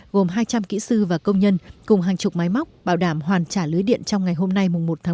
gồm hai trăm linh kỹ sư và công nhân cùng hàng chục máy móc bảo đảm hoàn trả lưới điện trong ngày hôm nay một tháng một